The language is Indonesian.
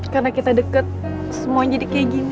karena kita deket semua jadi kayak gini